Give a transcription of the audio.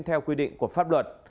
theo quy định của pháp luật